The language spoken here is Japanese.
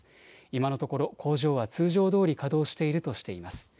今のところ工場は通常どおり稼働しているとしています。